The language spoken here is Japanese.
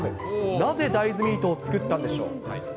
なぜ大豆ミートを作ったんでしょう。